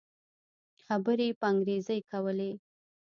خبرې يې په انګريزي کولې.